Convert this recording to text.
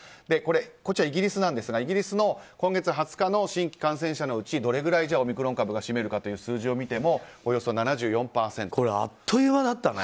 こちらはイギリスなんですがイギリスの今月２０日の新規感染者のうちどれぐらいオミクロン株が占めるかという数字を見てもこれ、あっという間だったね。